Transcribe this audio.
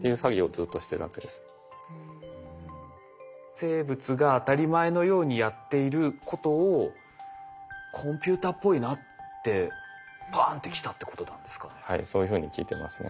生物が当たり前のようにやっていることをコンピューターっぽいなってパーンってきたってことなんですかね。